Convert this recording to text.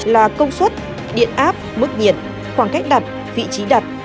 là công suất điện áp mức nhiệt khoảng cách đặt vị trí đặt